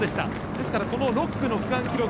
ですから６区の区間記録